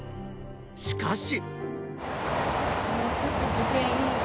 しかし。